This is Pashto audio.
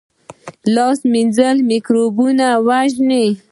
لاس مینځل مکروبونه وژني